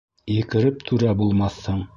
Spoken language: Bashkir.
Екереп түрә булмаҫһың.